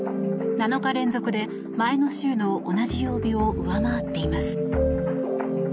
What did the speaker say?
７日連続で前の週の同じ曜日を上回っています。